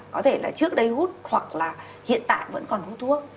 có thể là trước đây hút hoặc là hiện tại vẫn còn hút thuốc